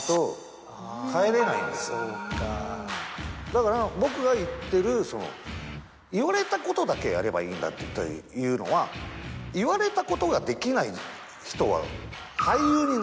だから僕が言ってる言われたことだけやればいいんだっていうのは言われたことができない人は。